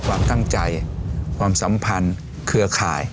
ความตั้งใจความสัมพันธ์เครือข่าย